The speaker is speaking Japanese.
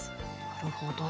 なるほど。